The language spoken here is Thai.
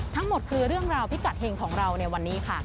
ทั้งหมดคือเรื่องราวพิกัดเฮงของเราในวันนี้ค่ะ